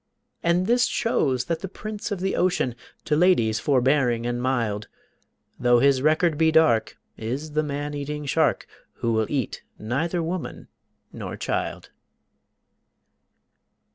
And this shows that the prince of the ocean, To ladies forbearing and mild, Though his record be dark, is the man eating shark Who will eat neither woman nor child.